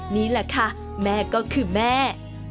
นี่แหละค่ะแม่ก็คือแม่